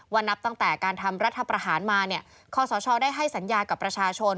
นับตั้งแต่การทำรัฐประหารมาเนี่ยคอสชได้ให้สัญญากับประชาชน